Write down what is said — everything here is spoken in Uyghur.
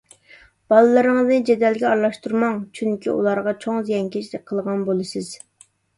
بالىلىرىڭىزنى جېدەلگە ئارىلاشتۇرماڭ! چۈنكى، ئۇلارغا چوڭ زىيانكەشلىك قىلغان بولىسىز.